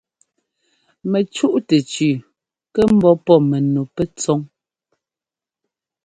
Mɛcúꞌtɛ tsʉʉ kɛ́ ḿbɔ́ pɔ́ mɛnu pɛtsɔ́ŋ.